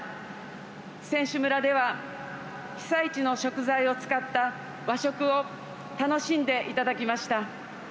選手村では被災地の食材を使った和食を楽しんでいただきました。